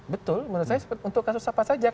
betul menurut saya untuk kasus apa saja